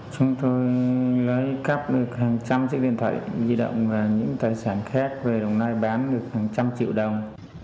chúng tôi lấy cắp được hàng trăm chiếc điện thoại di động và những tài sản khác về đồng nai bán được hàng trăm triệu đồng